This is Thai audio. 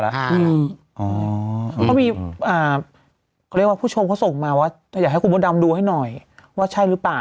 เขามีเขาเรียกว่าผู้ชมเขาส่งมาว่าอยากให้คุณมดดำดูให้หน่อยว่าใช่หรือเปล่า